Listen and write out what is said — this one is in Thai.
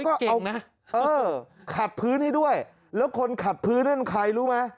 ก็เอานะเออขัดพื้นให้ด้วยแล้วคนขับพื้นนั่นใครรู้ไหม